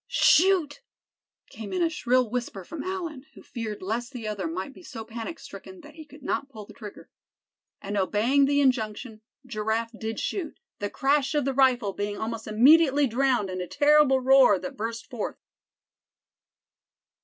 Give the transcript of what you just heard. "Shoot!" came in a shrill whisper from Allan, who feared lest the other might be so panic stricken that he could not pull trigger. And obeying the injunction, Giraffe did shoot, the crash of the rifle being almost immediately drowned in a terrible roar that burst forth.